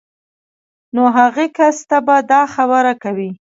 نو هغې کس ته به دا خبره کوئ